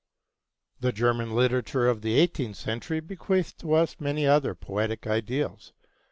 The German literature of the eighteenth century bequeathed to us many other poetic ideals.